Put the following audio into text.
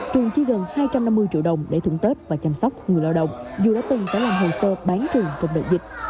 trường chi gần hai trăm năm mươi triệu đồng để thuận tết và chăm sóc người lao động dù đã từng trả lòng hồ sơ bán trường trong đợt dịch